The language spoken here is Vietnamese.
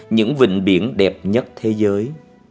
những vịnh biển đẹp nhất thế giới